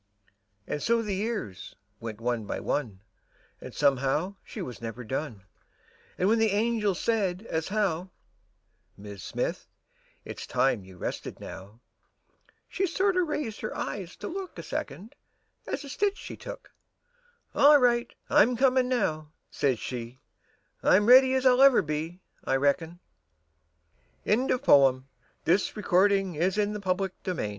And so the years went one by one. An' somehow she was never done; An' when the angel said, as how " Mis' Smith, it's time you rested now," She sorter raised her eyes to look A second, as a^ stitch she took; All right, I'm comin' now," says she, I'm ready as I'll ever be, I reckon," Albert Bigelow Paine. 120 The Eternal Feminine TRI